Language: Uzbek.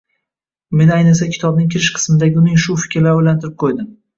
Meni ayniqsa kitobning kirish qismidagi uning shu fikrlari oʻylantirib qoʻydi.